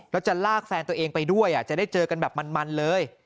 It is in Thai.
แล้วจะลากแฟนตัวเองไปด้วยจะได้เจอกันแบบมันเลย